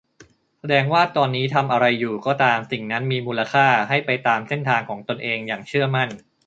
แสดงว่าตอนนี้ทำอะไรอยู่ก็ตามสิ่งนั้นมีมูลค่า ให้ไปตามเส้นทางของตนเองอย่างเชื่อมั่น